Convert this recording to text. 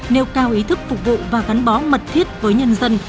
nêu cao ý thức phục vụ và gắn bó mật thiết với nhân dân